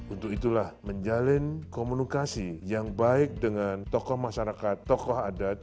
untuk itulah menjalin komunikasi yang baik dengan tokoh masyarakat tokoh adat